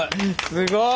すごい！